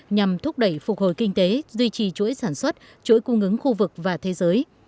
nhằm thúc đẩy phục hồi kinh tế duy trì chuỗi sản xuất chuỗi cung ứng khu vực và thế giới